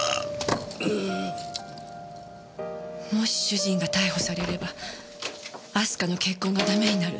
もし主人が逮捕されれば明日香の結婚がダメになる。